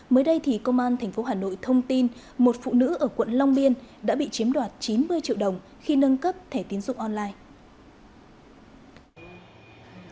mới đây thì công an tp hà nội thông tin một phụ nữ ở quận long biên đã bị chiếm đoạt chín mươi triệu đồng khi nâng cấp thẻ tiến dụng online